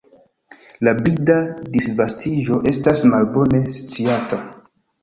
La birda disvastiĝo estas malbone sciata.